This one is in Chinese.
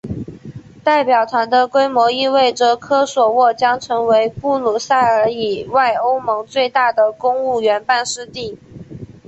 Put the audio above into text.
代表团的规模意味着科索沃将成为布鲁塞尔以外欧盟最大的公务员办事地。